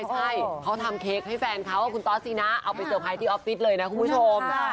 ใช่เขาทำเคกให้แฟนเค้าเอาให้คุณต๊อซสี่นะเอาไปเซอร์ไพร์ช้ได้หรือที่อ๊อฟฟิศเลยนะคุณผู้ชม